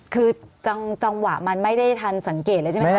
คือจังหวะมันไม่ได้ทันสังเกตเลยใช่ไหมค